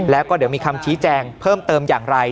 แล้วก็เดี๋ยวมีคำชี้แจงเพิ่มเติมอย่างไร